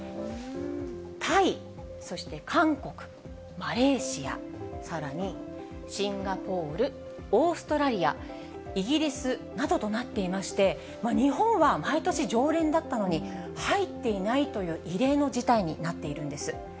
タイ、そして韓国、マレーシア、さらにシンガポール、オーストラリア、イギリスなどとなっていまして、日本は毎年常連だったのに入っていないという異例の事態になっているんです。